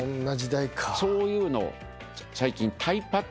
そういうのを最近。